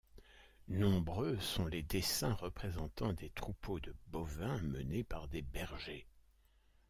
Nombreux sont les dessins représentant des troupeaux de bovins menés par des bergers.